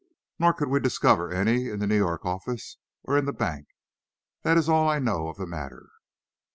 Nor could we discover any in the New York office or in the bank. That is all I know of the matter."